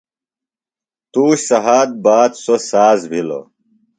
تُوش سھات باد سوۡ ساز بِھلوۡ۔